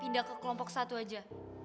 pindah ke kelompok satu aja